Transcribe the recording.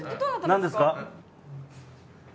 何ですか？